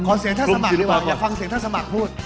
เสียงท่านสมัครดีกว่าขอฟังเสียงท่านสมัครพูด